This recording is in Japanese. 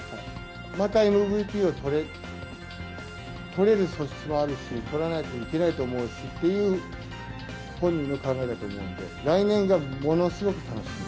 またＭＶＰをとれる素質はあるし、とらないといけないと思うしっていう本人の考えだと思うので、来年がものすごく楽しみ。